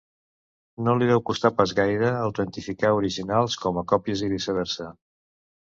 No li deu costar pas gaire autentificar originals com a còpies i viceversa.